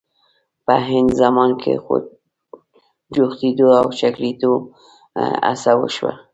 په عین زمان کې جوختېدو او ښکلېدو هڅه وشوه.